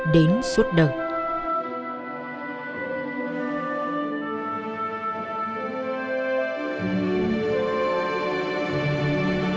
đến suốt đời